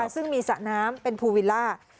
ซึ่งมีสระน้ำเป็นภูวิลล่า